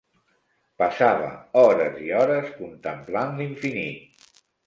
Passava hores i hores contemplant l'infinit.